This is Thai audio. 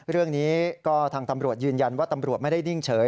เรื่องนี้ก็ทางตำรวจยืนยันว่าตำรวจไม่ได้นิ่งเฉย